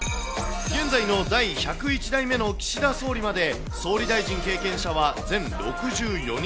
現在の第１０１代目の岸田総理まで、総理大臣経験者は全６４人。